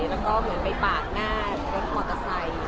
แล้วก็เหมือนไปปาดหน้ารถมอเตอร์ไซค์